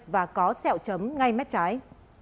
và có xẹo chấm ngay mét trái